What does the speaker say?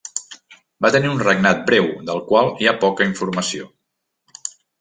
Va tenir un regnat breu del qual hi ha poca informació.